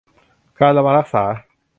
การระวังรักษา